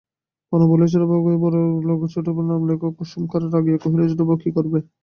পরাণ বলিল, ছোটবাবুকে বললেছোটবাবুর নামোল্লেখে কুসুম আরও রাগিয়া কহিল, ছোটবাবু কী করবে?